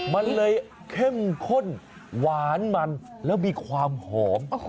มันเลยเข้มข้นหวานมันแล้วมีความหอม